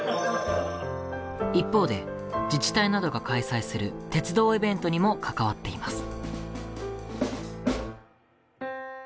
一方で自治体などが開催する鉄道イベントにも関わっています。